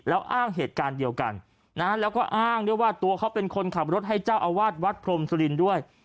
แล้วอ้างเหตุการณ์เดียวกันนะฮะแล้วก็อ้างด้วยว่าตัวเขาเป็นคนขับรถให้เจ้าอาวาสวัดพรมสุรินทร์ด้วย